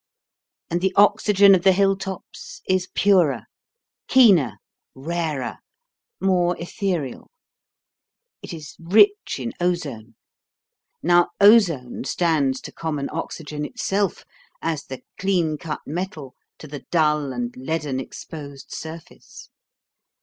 And the oxygen of the hill tops is purer, keener, rarer, more ethereal. It is rich in ozone. Now, ozone stands to common oxygen itself as the clean cut metal to the dull and leaden exposed surface.